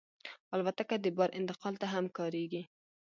الوتکه د بار انتقال ته هم کارېږي.